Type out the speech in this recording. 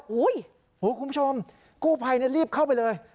โอ้โหคุณผู้ชมกู้ภัยรีบเข้าไปเลย